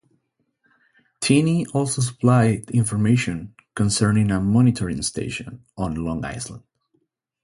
Tenney also supplied information concerning a monitoring station on Long Island.